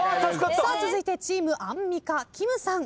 続いてチームアンミカきむさん。